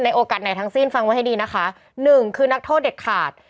โอกาสไหนทั้งสิ้นฟังไว้ให้ดีนะคะหนึ่งคือนักโทษเด็ดขาด